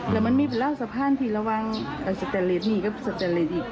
แล้วมันมีเป็นแล้วสะพานที่ระวังอ่าสแตนเลสนี่ก็สแตนเลสอีก